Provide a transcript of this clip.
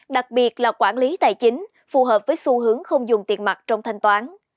đặc biệt là quản lý tài chính phù hợp với xu hướng không dùng tiền mặt trong thanh toán